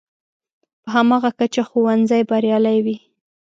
په هماغه کچه ښوونځی بریالی وي.